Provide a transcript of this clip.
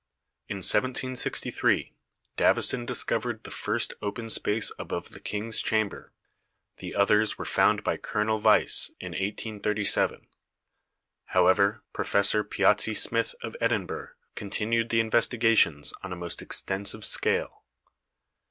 In 1763 Davison discovered the first open space above the king's chamber; the others were found by Colonel Vyse in 1837. However, Professor Piazzi Smyth of Edinburgh continued the investi gations on a most extensive scale.